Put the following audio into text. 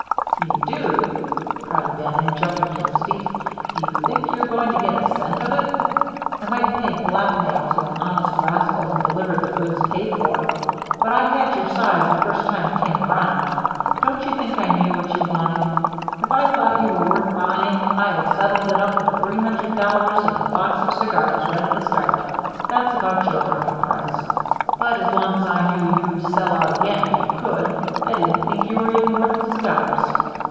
"You do!" cried Bannon, jumping to his feet. "Do you think you're going to get a cent of it? I might pay blackmail to an honest rascal who delivered the goods paid for. But I had your size the first time you came around. Don't you think I knew what you wanted? If I'd thought you were worth buying, I'd have settled it up for three hundred dollars and a box of cigars right at the start. That's about your market price. But as long as I knew you'd sell us out again if you could, I didn't think you were even worth the cigars.